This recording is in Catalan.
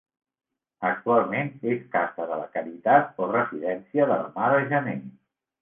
Actualment és casa de la caritat o Residència de la Mare Janer.